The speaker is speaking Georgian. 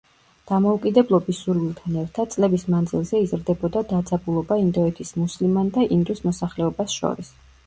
დამოუკიდებლობის სურვილთან ერთად წლების მანძილზე იზრდებოდა დაძაბულობა ინდოეთის მუსლიმან და ინდუს მოსახლეობას შორის.